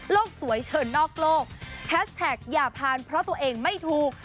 สวยเชิญนอกโลกแฮชแท็กอย่าผ่านเพราะตัวเองไม่ถูก